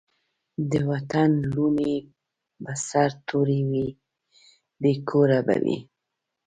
د وطن لوڼي به سرتوري وي بې کوره به وي